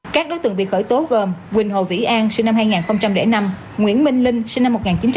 các đối tượng bị khởi tố gồm quỳnh hồ vĩ an sinh năm hai nghìn năm nguyễn minh linh sinh năm một nghìn chín trăm tám mươi